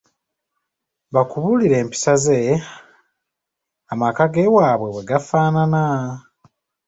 Bakubuulire empisa ze amaka gewaabwe bwe gafaanana.